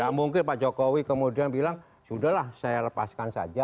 nggak mungkin pak jokowi kemudian bilang sudah lah saya lepaskan saja